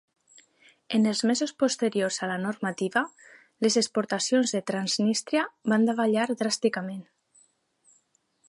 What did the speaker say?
En els mesos posteriors a la normativa, les exportacions de Transnistria van davallar dràsticament.